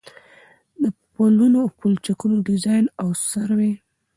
د پلونو او پلچکونو ډيزاين او سروې